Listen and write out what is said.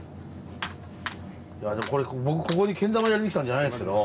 これ僕ここにけん玉やりにきたんじゃないんですけど。